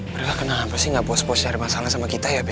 berita kenapa sih gak pos pos cari masalah sama kita ya be